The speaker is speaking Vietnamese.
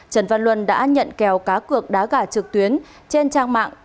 trần văn luân đã nhận kèo cá cược đá gà trực tuyến trên trang mạng